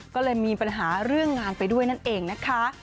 ก็เลยมีปัญหาเรื่องงานไปด้วยนั่นเองนะคะ